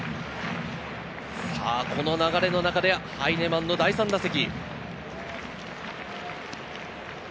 この流れの中でハイネマンの第３打席。